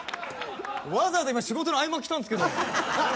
わざわざ今仕事の合間来たんですけど。